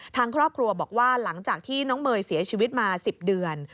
ทางครอบครัวบอกว่าหลังจากที่น้องเมย์เสียชีวิตมา๑๐เดือน